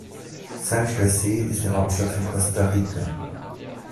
San José ist die Hauptstadt von Costa Rica.